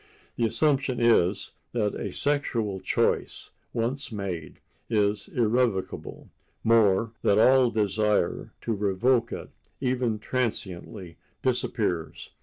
The assumption is that a sexual choice, once made, is irrevocable—more, that all desire to revoke it, even transiently, disappears.